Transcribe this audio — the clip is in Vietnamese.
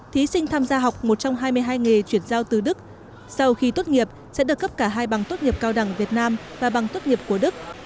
thí sinh tham gia học một trong hai mươi hai nghề chuyển giao từ đức sau khi tốt nghiệp sẽ được cấp cả hai bằng tốt nghiệp cao đẳng việt nam và bằng tốt nghiệp của đức